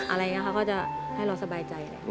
อะไรอย่างนี้เขาก็จะให้เราสบายใจ